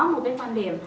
một cái quan điểm